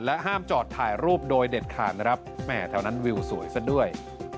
ห้ามจอดถ่ายรูปโดยเด็ดขาดนะครับแหมแถวนั้นวิวสวยซะด้วย